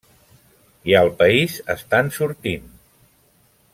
I al país estan sortint.